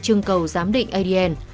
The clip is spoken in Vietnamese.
trừng cầu giám định adn